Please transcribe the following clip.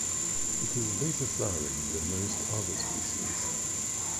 It is later flowering than most other species.